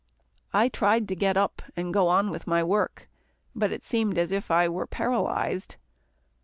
I tried to get up, and go on with my work, but it seemed as if I were paralysed.